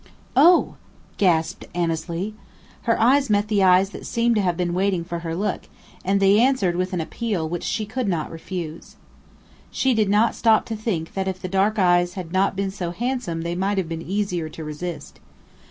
"Oh!" gasped Annesley. Her eyes met the eyes that seemed to have been waiting for her look, and they answered with an appeal which she could not refuse. She did not stop to think that if the dark eyes had not been so handsome they might have been easier to resist.